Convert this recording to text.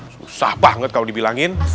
susah banget kalau dibilangin